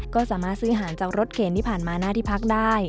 ก็สามารถซื้ออาหารจากรถเข็นที่ผ่านมาหน้าที่พักได้